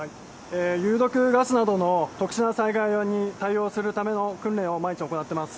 有毒ガスなどの特殊な災害に対応するための訓練を毎日行っています。